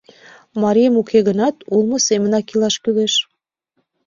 Марием уке гынат, улмо семынак илаш кӱлеш.